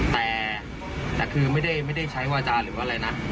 แต่คือไม่ได้ใช้วาจาหรือว่าอะไรนะ